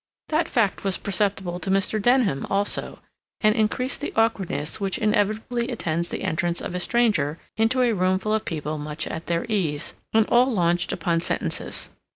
That fact was perceptible to Mr. Denham also, and increased the awkwardness which inevitably attends the entrance of a stranger into a room full of people much at their ease, and all launched upon sentences.